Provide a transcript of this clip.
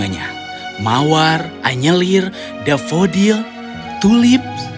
bunganya mawar anjelir dafodil tulip